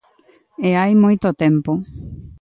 E hai moito tempo.